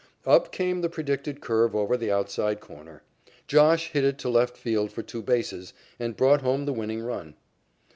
Up came the predicted curve over the outside corner. "Josh" hit it to left field for two bases, and brought home the winning run.